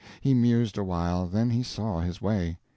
He mused a while, then he saw his way.